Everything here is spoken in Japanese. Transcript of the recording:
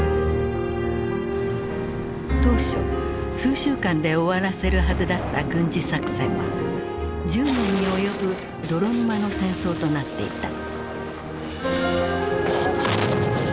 当初数週間で終わらせるはずだった軍事作戦は１０年に及ぶ泥沼の戦争となっていた。